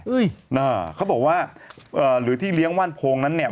อ่าเขาบอกว่าเอ่อหรือที่เลี้ยงว่านโพงนั้นเนี่ย